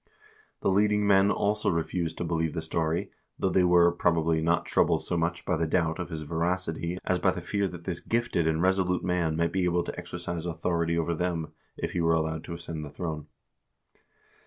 The leading men also refused to believe the story, though they were, probably, not troubled so much by the doubt of his verac ity as by the fear that this gifted and resolute man might be able to exercise authority over them, if he were allowed to ascend the throne.